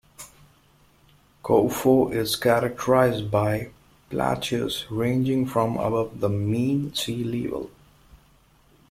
Kouffo is characterized by plateaus ranging from above the mean sea level.